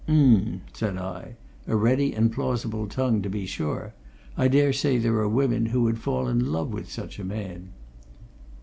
"Um!" said I. "A ready and plausible tongue, to be sure. I dare say there are women who would fall in love with such a man."